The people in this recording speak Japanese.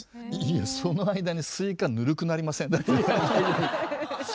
いやその間にスイカぬるくなりません？